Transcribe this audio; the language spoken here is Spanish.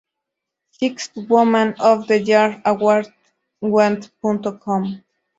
Sixth Woman of the Year Award wnba.com